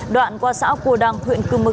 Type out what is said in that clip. đoạn qua xã cua đăng huyện cư mức